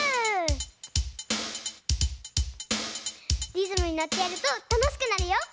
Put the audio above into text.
リズムにのってやるとたのしくなるよ！